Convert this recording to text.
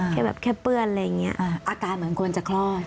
แค่แบบแค่เปื้อนอะไรอย่างนี้อาการเหมือนคนจะคลอด